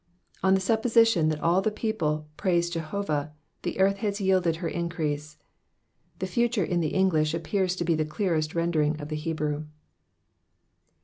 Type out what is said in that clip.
On the supposition that all the people praise Jehovah, the earth has yielded her increase. The future in the English appears to be the clearest rendering of the Hebrew.